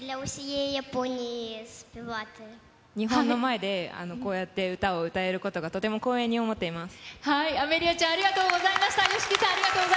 日本の前でこうやって歌を歌えることがとても光栄に思っています。